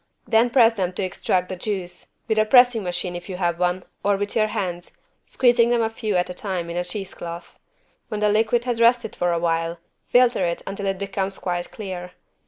Then press them to extract the juice, with a pressing machine if you have one, or with your hands, squeezing them a few at a time in cheese cloth. When the liquid has rested for a while, filter it until it becomes quite clear.